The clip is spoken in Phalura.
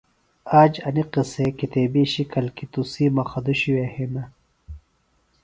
آج اینیۡ قِصے کتیبیۡ شِکل کیۡ تُسی مخدوشیۡ وے ہِنہ